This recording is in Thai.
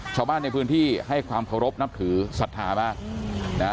ชาวบ้านในพื้นที่ให้ความเคารพนับถือศรัทธามากนะฮะ